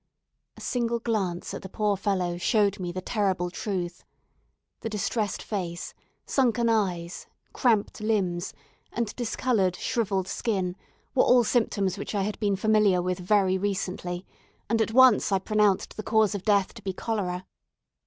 A single glance at the poor fellow showed me the terrible truth. The distressed face, sunken eyes, cramped limbs, and discoloured shrivelled skin were all symptoms which I had been familiar with very recently; and at once I pronounced the cause of death to be cholera.